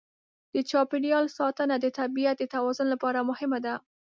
د چاپېریال ساتنه د طبیعت د توازن لپاره مهمه ده.